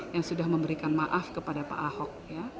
yang sudah memberikan maaf kepada pak ahok